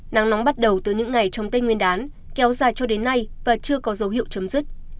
nắng nóng bắt đầu từ những ngày trong tây nguyên đán kéo dài cho đến nay và chưa có dấu hiệu chấm dứt